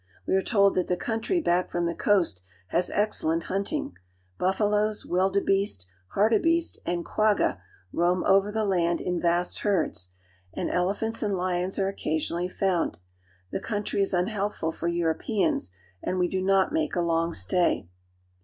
We are told that the country back from the coast has excellent hunt ing. Buffaloes, wildebeest, hartebeest, and quagga roam over the land in vast herds, and elephants and lions are occasionally found. The country is unhealthful for Euro peans, and we do not make a long stay.